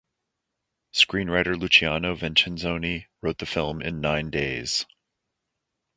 Screenwriter Luciano Vincenzoni wrote the film in nine days.